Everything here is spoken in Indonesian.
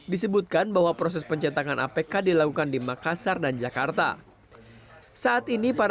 disebutkan bahwa proses pencetakan apk dilakukan di makassar dan jakarta